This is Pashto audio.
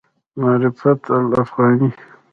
معرفت الافغاني